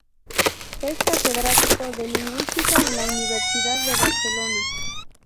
Es catedrático de lingüística en la Universidad de Barcelona.